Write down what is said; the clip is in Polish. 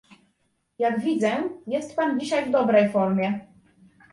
Jak widzę, jest pan dzisiaj w dobrej formie